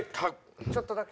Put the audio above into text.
ちょっとだけ？